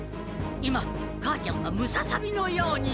今母ちゃんはムササビのように。